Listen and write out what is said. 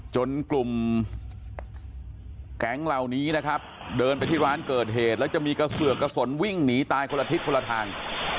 จนกลุ่มแก๊งเหล่านี้นะครับเดินไปที่ร้านเกิดเหตุแล้วจะมีกระเสือกกระสนวิ่งหนีตายคนละทิศคนละทาง